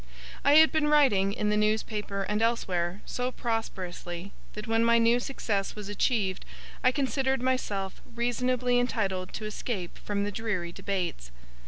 I had been writing, in the newspaper and elsewhere, so prosperously, that when my new success was achieved, I considered myself reasonably entitled to escape from the dreary debates.